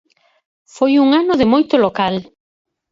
Foi un ano de moito local.